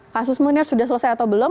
kasus munir sudah selesai atau belum